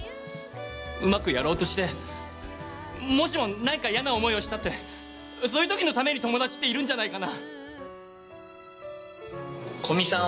うまくやろうとしてもしも何か嫌な思いをしたってそういう時のために友達っているんじゃないかな？